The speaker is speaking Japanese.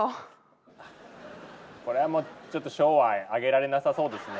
これはもうちょっと賞はあげられなさそうですね。